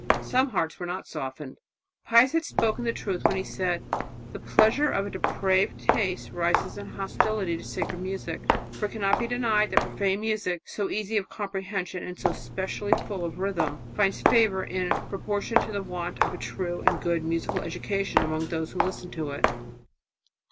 Some hearts were not softened. Pius had spoken the truth when he said, "The pleasure of a depraved taste rises in hostility to sacred music; for it cannot be denied that profane music, so easy of comprehension and so specially full of rhythm, finds favour in proportion to the want of a true and good musical education among those who listen to it."